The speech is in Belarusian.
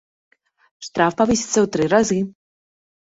Штраф павысіцца ў тры разы.